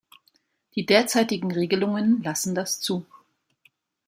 Die derzeitigen Regelungen lassen das zu.